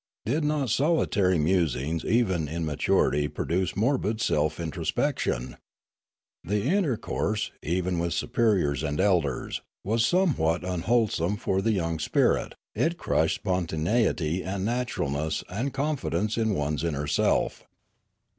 Did not solitary musings even in maturity produce morbid self introspection ? The intercourse, 42 Limanora even with superiors and elders, was somewhat unwhole some for the young spirit, — it crushed spontaneity and naturalness and confidence in one's inner self.